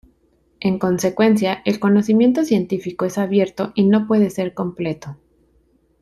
En consecuencia, el conocimiento científico es abierto y no puede ser completo.